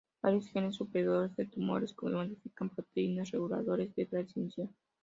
Varios genes supresores de tumores codifican proteínas reguladoras de transcripción.